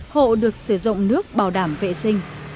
chín mươi bảy năm hộ được sử dụng nước bảo đảm vệ sinh